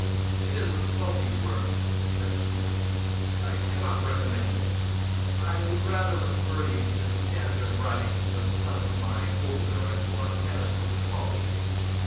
"It is a faulty work," said he; "I cannot recommend it. I would rather refer you to the standard writings of some of my older and more eloquent colleagues."